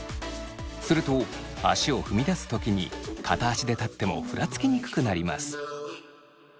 すると足を踏み出す時に片足で立ってもふらつきにくくなります。